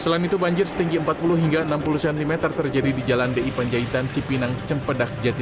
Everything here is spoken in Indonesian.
selain itu banjir setinggi empat puluh hingga enam puluh cm terjadi di jalan di panjaitan cipinang cempedak jati